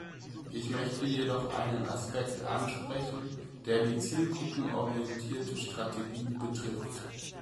Ich möchte jedoch einen Aspekt ansprechen, der die zielgruppenorientierte Strategie betrifft.